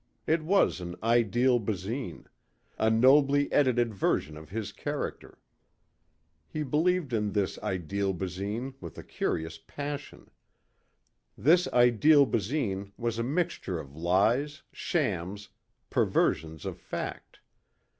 It was an ideal Basine a nobly edited version of his character. He believed in this ideal Basine with a curious passion. This ideal Basine was a mixture of lies, shams, perversions of fact.